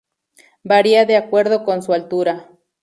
Varía de acuerdo con su altura.